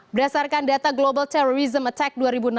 berdasarkan data global terrorism attack dua ribu enam belas